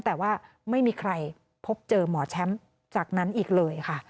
แต่ว่าไม่มีใครพบเจอหมอแชมป์จากนั้นอีกเลยค่ะ